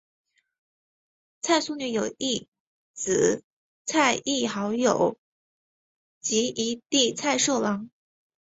蔡素女有一姊蔡亦好及一弟蔡寿郎。